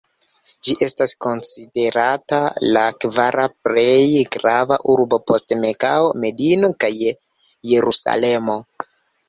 Ĝi estas konsiderata la kvara plej grava urbo post Mekao, Medino kaj "Jerusalemo".